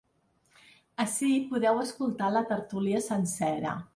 Ací podeu escoltar la tertúlia sencera.